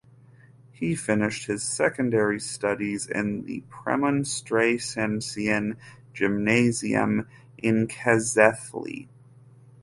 He finished his secondary studies in the Premonstratensian Gymnasium at Keszthely.